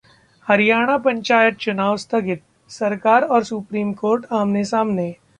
हरियाणा पंचायत चुनाव स्थगित, सरकार और सुप्रीम कोर्ट आमने-सामने